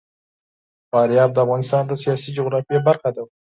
فاریاب د افغانستان د سیاسي جغرافیه برخه ده.